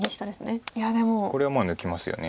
これはもう抜きますよね。